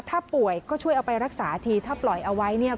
ถ้าป่วยก็ช่วยเอาไปรักษาทีถ้าปล่อยเอาไว้เนี่ย